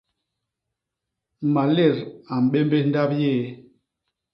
Malét a mbémbés ndap yéé.